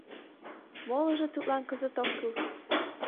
Молыжо тудлан кызыт ок кӱл.